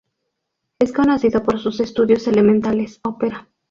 Es conocido por sus "Estudios Elementales", Op.